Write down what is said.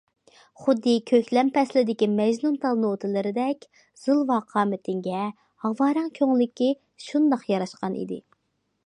خۇددى كۆكلەم پەسلىدىكى مەجنۇنتال نوتىلىرىدەك، زىلۋا قامىتىڭگە ھاۋا رەڭ كۆڭلىكى شۇنداق ياراشقان ئىدى.